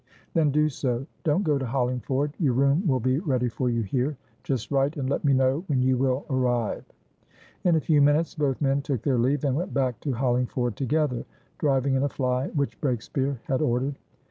"Then do so. Don't go to Hollingford; your room will be ready for you here. Just write and let me know when you will arrive." In a few minutes, both men took their leave, and went back to Hollingford together, driving in a fly which Breakspeare had ordered.